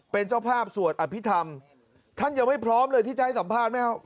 เป็นเจ้าภาพสวดอภิษฐรรมท่านยังไม่พร้อมเลยที่จะให้สัมภาษณ์ไหมครับ